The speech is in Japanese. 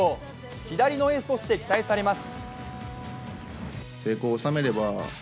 左のエースとして期待されます。